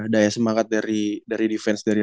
daya semangat dari defense dari